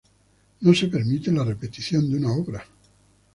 No se permite la repetición de una obra.